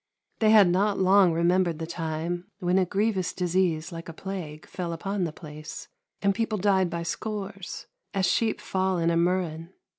They had not long remembered the time when a grievous disease, like a plague, fell upon the place, and people died by scores, as sheep fall in a murrain.